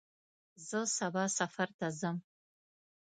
زه سبا سفر ته ځم.